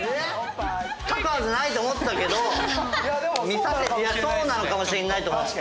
書くはずないと思ったけど見させていやそうなのかもしれないと思って。